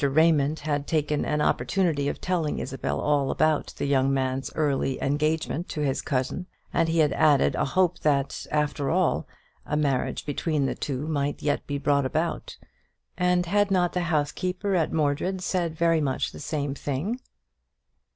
Raymond had taken an opportunity of telling Isabel all about the young man's early engagement to his cousin; and he had added a hope that, after all, a marriage between the two might yet be brought about; and had not the housekeeper at Mordred said very much the same thing?